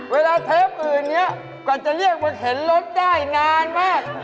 เทปอื่นนี้ก่อนจะเรียกว่าเข็นรถได้นานมาก